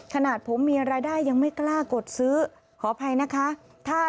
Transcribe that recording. ขนาดผมมีรายได้ยังไม่กล้ากดซื้อขออภัยนะคะ